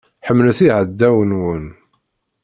Ḥemmlet iɛdawen-nwen.